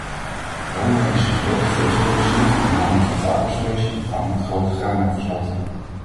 Polen is een grote vleesproducent, met name van varkensvlees, en kampt met grote graanoverschotten.